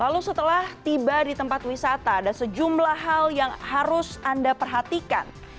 lalu setelah tiba di tempat wisata ada sejumlah hal yang harus anda perhatikan